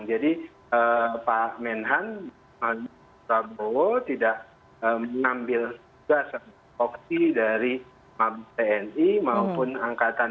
jadi pak menhan mabes tni tidak mengambil tugas atau fokusi dari mabes tni maupun angkatan